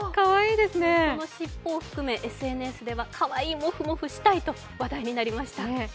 この尻尾を含め、ＳＮＳではかわいい、もふもふしたいと話題になりました。